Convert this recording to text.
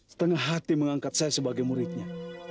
setengah hati mengangkat saya sebagai muridnya